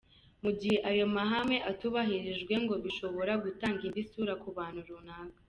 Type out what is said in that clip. Mu gihe ayo mahame atubahirijwe ngo bishobora gutanga indi sura ku bantu runaka.